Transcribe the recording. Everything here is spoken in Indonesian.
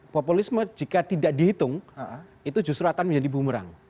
populisme jika tidak dihitung itu justru akan menjadi bumerang